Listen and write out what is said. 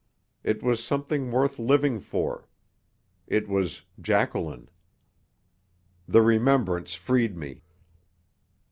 It was something worth living for. It was Jacqueline! The remembrance freed me.